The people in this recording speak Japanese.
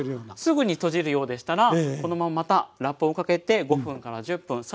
すぐに閉じるようでしたらこのまままたラップをかけて５分から１０分更に発酵させて下さい。